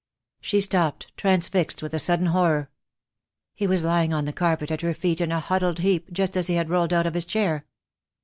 She stopped transfixed with a sudden horror. He was lying on the carpet at her feet in a huddled heap, just as he had rolled out of his chair.